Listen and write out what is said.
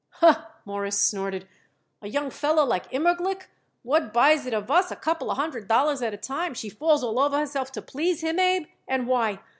"Huh!" Morris snorted. "A young feller like Immerglick, what buys it of us a couple of hundred dollars at a time, she falls all over herself to please him, Abe. And why?